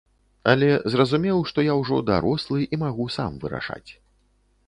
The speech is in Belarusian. Але зразумеў, што я ўжо дарослы і магу сам вырашаць.